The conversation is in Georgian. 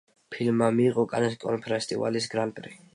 ფილმმა მიიღო კანის კინოფესტივალის გრან პრი.